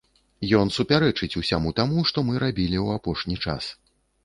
Ён супярэчыць усяму таму, што мы рабілі ў апошні час.